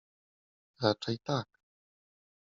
Raczej tak.